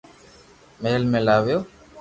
مھل ۾ لاويو